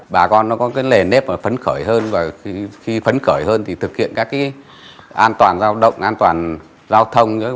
bà con nó có lề nếp phấn khởi hơn và khi phấn khởi hơn thì thực hiện các an toàn giao động an toàn giao thông